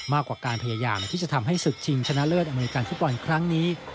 มากกว่าการพยายามที่จะทำให้ศึกชิงชนะเลิศอเมริกาฟุตบอลครั้งนี้